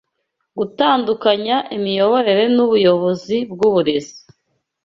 gutandukanya imiyoborere nubuyobozi bwuburezi